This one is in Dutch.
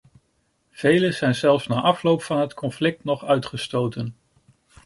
Velen zijn zelfs na afloop van het conflict nog uitgestoten.